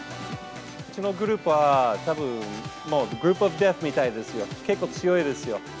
うちのグループは、たぶん、もうグループ・オブ・デスみたいですよ、結構強いですよ。